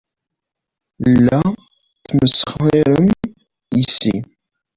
La tesmesxirem yes-i.